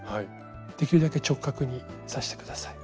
できるだけ直角に刺して下さい。